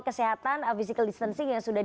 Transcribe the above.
kesehatan physical distancing yang sudah